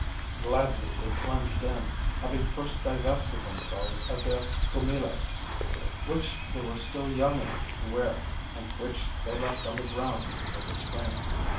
Gladly they plunged in, having first divested them selves of their goomillahs, which they were still young enough to wear, and which they left on the ground near the spring.